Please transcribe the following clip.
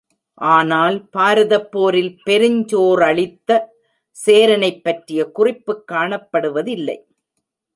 ஆனால் பாரதப்போரில் பெருஞ்சோறளித்த சேரனைப்பற்றிய குறிப்புக் காணப்படுவதில்லை.